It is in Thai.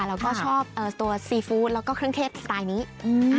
แล้วก็ชอบเอ่อตัวซีฟู้ดแล้วก็เครื่องเทศสไตล์นี้อืม